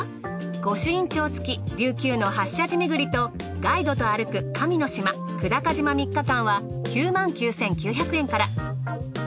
御朱印帳付き琉球の８社寺めぐりとガイドとあるく神の島久高島３日間は９９，９００円から。